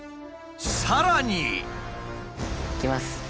さらに。いきます。